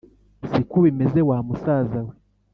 siko bimeze wa musaza we